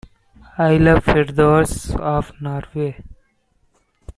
I love the fjords of Norway.